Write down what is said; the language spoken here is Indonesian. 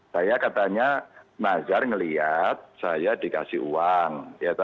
saya katanya nazar ngeliat saya dikasih uang